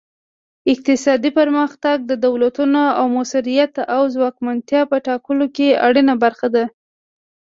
اقتصادي پرمختګ د دولتونو د موثریت او ځواکمنتیا په ټاکلو کې اړینه برخه ده